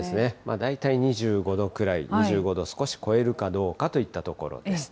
大体２５度くらい、２５度を少し超えるかどうかといったところです。